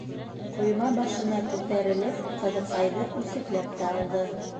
Ҡойма башына күтәрелеп, ҡыҙыҡайҙы үсекләп тә алды: